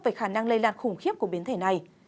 về khả năng lây lan khủng khiếp của biến thể này